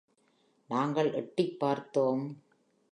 நாங்கள் எட்டிப் பார்த்தோம்.